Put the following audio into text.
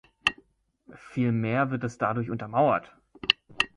Vielmehr wird das dadurch untermauert.